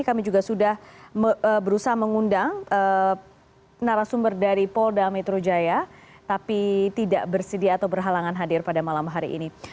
kami juga sudah berusaha mengundang narasumber dari polda metro jaya tapi tidak bersedia atau berhalangan hadir pada malam hari ini